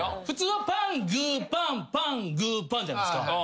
普通はパン具パンパン具パンじゃないですか。